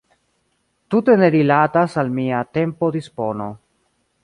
Tute ne rilatas al mia tempo-dispono.